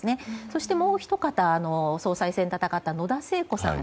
そして、もうひと方総裁選を戦った野田聖子さん。